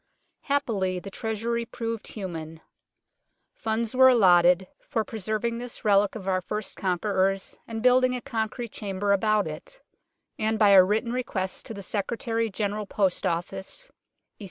Happily the Treasury proved human ; funds were allotted for preserving this REMAINS OF THE CITY WALL 29 relic of our first conquerors and building a con crete chamber about it ; and by a written request to the Secretary, General Post Office, E.